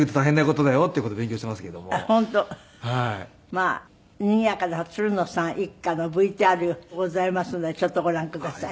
まあにぎやかなつるのさん一家のＶＴＲがございますのでちょっとご覧ください。